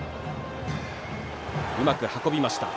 うまく運びました。